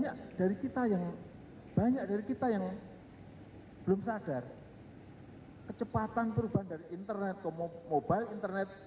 karena banyak dari kita yang belum sadar kecepatan perubahan dari internet ke mobile internet